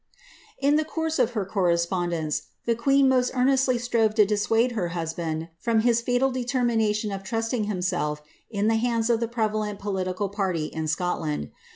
* In the course of her correspondence, the queen most earnestly strove to dissuade her husband from his fatal determination of trusting himself b the hands of the prevalent political party in Scotland.